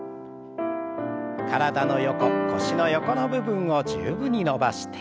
体の横腰の横の部分を十分に伸ばして。